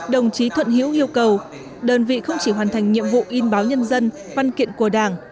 đồng chí thuận hữu yêu cầu đơn vị không chỉ hoàn thành nhiệm vụ in báo nhân dân văn kiện của đảng